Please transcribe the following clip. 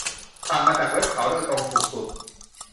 สั่งจากเว็บเขาโดยตรงถูกสุด